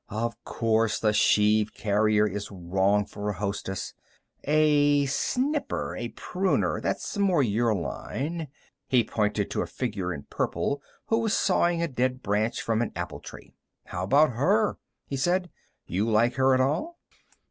Of course the sheave carrier is wrong for a hostess! A snipper, a pruner that's more your line." He pointed to a figure in purple who was sawing a dead branch from an apple tree. "How about her?" he said. "You like her at all?"